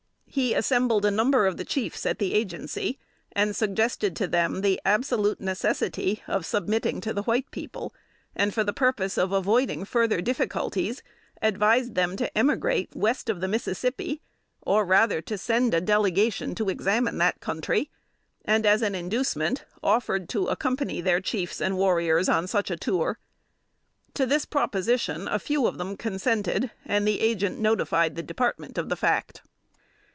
He assembled a number of the chiefs at the Agency, and suggested to them the absolute necessity of submitting to the white people; and for the purpose of avoiding further difficulties, advised them to emigrate west of the Mississippi, or, rather, to send a delegation to examine the country; and, as an inducement, offered to accompany their chiefs and warriors on such a tour. To this proposition a few of them consented, and the Agent notified the Department of the fact.